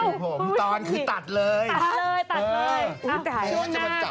ช่วงหน้าค่ะไม่ใช่ตอนเที่ยงช่วงหน้าช่วงหน้าช่วงหน้าเดียวครับ